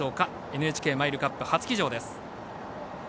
ＮＨＫマイルカップ初騎乗です。